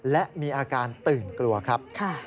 และมีอาการตื่นกลัวครับ